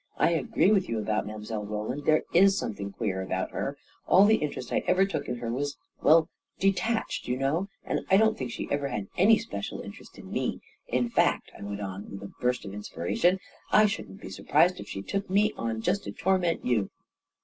I agree J with you about Mile. Roland — there is something queer about her ! All the interest I ever took in her was — well — detached, you know. And I don't ^ think she ever had any special interest in me. In .% fact," I went on, with a burst of inspiration, " I shouldn't be surprised if she took me on just to tor ment you